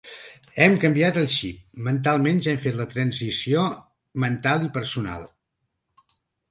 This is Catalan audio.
Hem canviat el xip, mentalment ja hem fet la transició mental i personal.